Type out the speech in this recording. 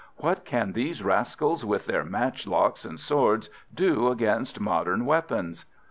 What can these rascals with their matchlocks and swords do against modern weapons?"